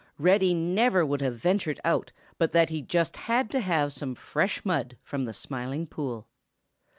Reddy never would have ventured out but that he just had to have some fresh mud from the Smiling Pool.